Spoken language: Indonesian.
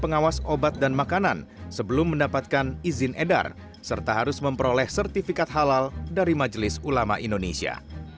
pengawas obat dan makanan sebelum mendapatkan izin edar serta harus memperoleh sertifikat halal dari majelis ulama indonesia